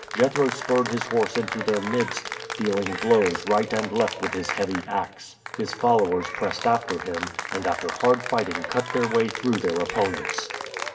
Jethro spurred his horse into their midst, dealing blows right and left with his heavy ax. His followers pressed after him, and after hard fighting cut their way through their opponents.